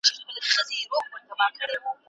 کتاب کتاب به کړي ماڼۍ و کېږدۍ